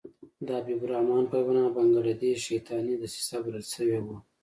د حبیب الرحمن په وینا کې بنګله دېش شیطاني دسیسه بلل شوې وه.